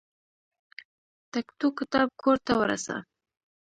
تکتو کتاب کور ته ورسه.